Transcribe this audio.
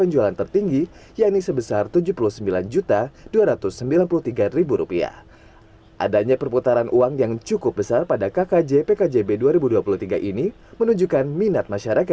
jawa barat dua ribu dua puluh tiga